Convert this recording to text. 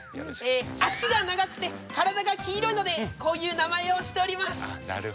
脚が長くて体が黄色いのでこういう名前をしております。